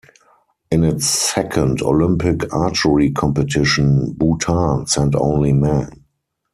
In its second Olympic archery competition, Bhutan sent only men.